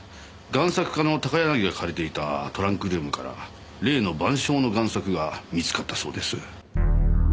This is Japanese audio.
贋作家の高柳が借りていたトランクルームから例の『晩鐘』の贋作が見つかったそうです。